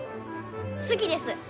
好きです。